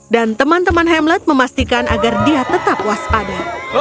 dan teman teman hamlet memastikan agar dia tetap waspada